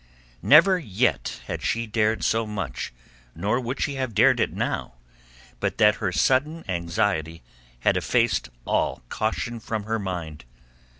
Never yet had she dared so much nor would she have dared it now but that her sudden anxiety had effaced all caution from her mind.